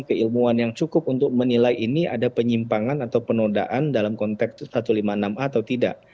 keilmuan yang cukup untuk menilai ini ada penyimpangan atau penodaan dalam konteks itu satu ratus lima puluh enam a atau tidak